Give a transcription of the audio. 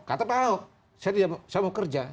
kata pak ahok saya mau kerja